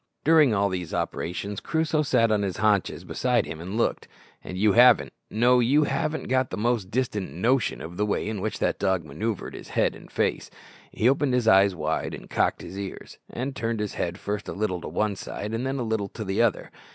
During all these operations Crusoe sat on his haunches beside him and looked. And you haven't, no, you haven't got the most distant notion of the way in which that dog manoeuvred with his head and face. He opened his eyes wide, and cocked his ears, and turned his head first a little to one side, then a little to the other.